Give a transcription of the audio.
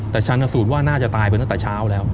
แต่ชันสูตรว่าน่าจะตายไปตั้งแต่เช้าแล้ว